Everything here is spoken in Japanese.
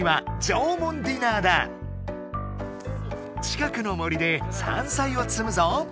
近くの森で山菜をつむぞ。